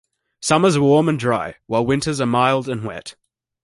Summers are warm and dry, while winters are mild and wet.